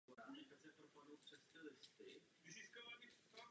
Je druhou nejmenší provincií Kostariky.